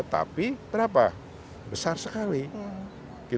tapi berapa besar sekali